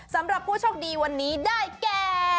สำหรับผู้โชคดีวันนี้ได้แก่